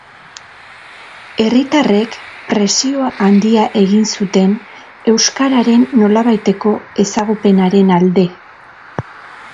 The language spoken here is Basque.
Herritarrek presio handia egin zuten euskararen nolabaiteko ezagupenaren alde.